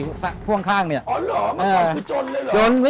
อ๋อเหรอมันเป็นของคุณจนเลยเหรอ